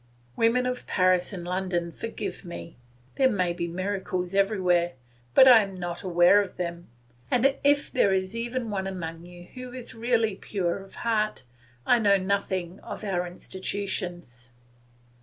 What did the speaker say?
Women of Paris and London, forgive me! There may be miracles everywhere, but I am not aware of them; and if there is even one among you who is really pure in heart, I know nothing of our institutions.